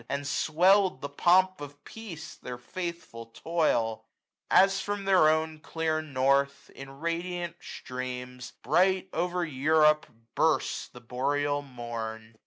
And sweird the pomp of peace their faithful toih 905 As from theif own clear north, in radiant streams, Bright over Europe bursts the Boreal Morn.